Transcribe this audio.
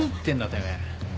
てめえ。